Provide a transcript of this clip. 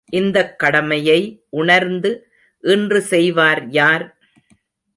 இந்தக் கடமையை உணர்ந்து இன்று செய்வார் யார்?